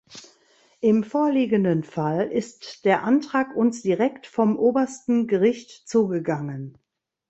Im vorliegenden Fall ist der Antrag uns direkt vom Obersten Gericht zugegangen.